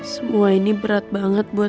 semua ini berat banget buat